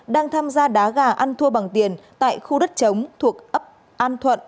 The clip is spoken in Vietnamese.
đang tham gia đá gà ăn thua bằng tiền tại khu đất chống thuộc ấp an thuận